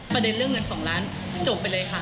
ประเด็นเรื่องเงิน๒ล้านจบไปเลยค่ะ